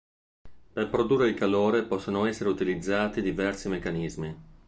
Per produrre il calore possono essere utilizzati diversi meccanismi.